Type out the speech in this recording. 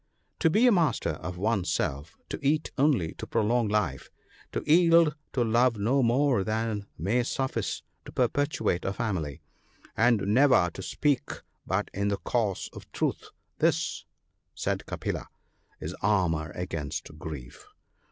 To be master of one's self — to eat only to prolong life — to yield to love no more than may suffice to perpetuate a family — and never to speak but in the cause of truth, this/ said Kapila, * is armour against grief.